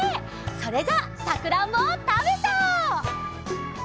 それじゃあさくらんぼをたべちゃおう！